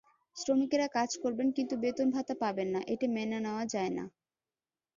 শ্রমিকেরা কাজ করবেন কিন্তু বেতন ভাতা পাবেন না—এটা মেনে নেওয়া যায় না।